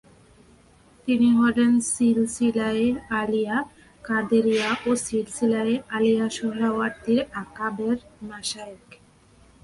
তিনি হলেন সিলসিলায়ে আলিয়া কাদেরিয়া ও সিলসিলায়ে আলিয়া সোহরাওয়ার্দীর আকাবের মাশায়েখ।